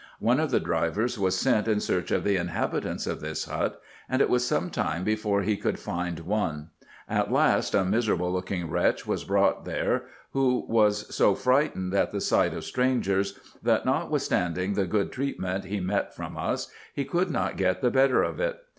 One of the drivers was sent in search of the inhabitants of this hut, and it was some time before he could find one ; at last a miserable looking wretch was brought there, who was so frightened at the sight of strangers, that notwithstanding the good treatment he met from us, he could not get the better of it.